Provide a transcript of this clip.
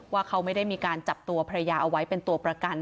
ว่าเขาไม่ได้มีการจับตัวภรรยาเอาไว้เป็นตัวประกัน